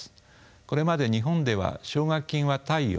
これまで日本では奨学金は貸与